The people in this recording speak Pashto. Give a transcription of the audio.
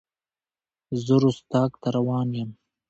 زه رُستاق ته روان یم.